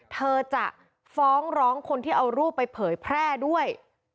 เธอจะฟ้องร้องคนที่เอารูปไปเผยแพร่ด้วย